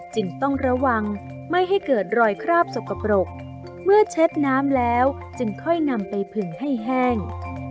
จึงต้องระวังไม่ให้เกิดรอยคราบสกปรกเมื่อเช็ดน้ำแล้วจึงค่อยนำไปผึงให้แห้ง